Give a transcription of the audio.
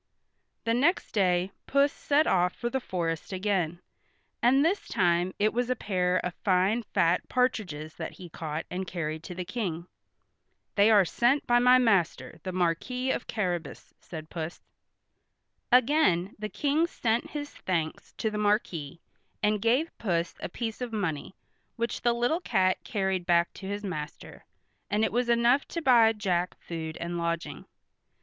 The next day Puss set off for the forest again, and this time it was a pair of fine fat partridges that he caught and carried to the King. "They are sent by my master, the Marquis of Carrabas," said Puss. Again the King sent his thanks to the Marquis, and gave Puss a piece of money, which the little cat carried back to his master, and it was enough to buy Jack food and lodging.